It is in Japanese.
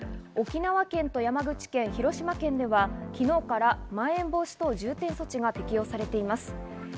沖縄県と山口県、広島県では昨日からまん延防止等重点措置が適用されています。